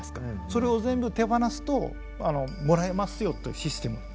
それを全部手放すともらえますよというシステムなんですよね。